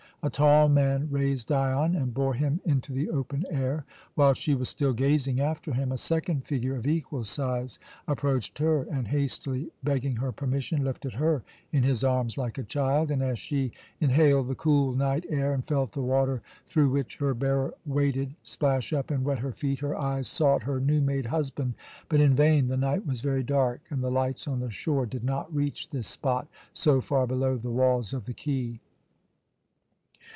A tall man raised Dion and bore him into the open air. While she was still gazing after him, a second figure of equal size approached her and, hastily begging her permission, lifted her in his arms like a child, and as she inhaled the cool night air and felt the water through which her bearer waded splash up and wet her feet, her eyes sought her new made husband but in vain; the night was very dark, and the lights on the shore did not reach this spot so far below the walls of the quay.